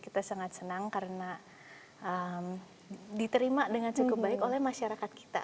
kita sangat senang karena diterima dengan cukup baik oleh masyarakat kita